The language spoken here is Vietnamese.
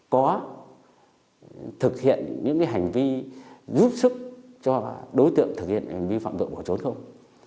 có thực hiện những hành vi giúp sức cho đối tượng thực hiện hành vi phạm tội bỏ trốn không